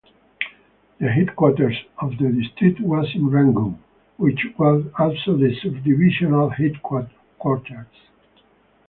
The headquarters of the district was in Rangoon, which was also the sub-divisional headquarters.